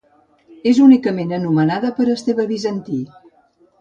És únicament anomenada per Esteve Bizantí.